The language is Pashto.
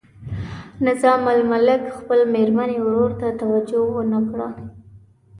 نظام الملک خپل میرني ورور ته توجه ونه کړه.